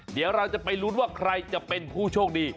เดี๋ยวเราจะไปลุ้นว่าใครจะเป็นผู้โชคดี